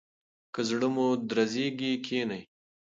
که زړه مو درزیږي کښینئ.